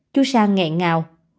chú sang nghẹn ngào